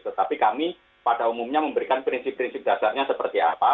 tetapi kami pada umumnya memberikan prinsip prinsip dasarnya seperti apa